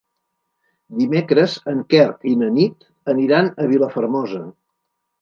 Dimecres en Quer i na Nit aniran a Vilafermosa.